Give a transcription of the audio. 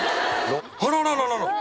あらららら！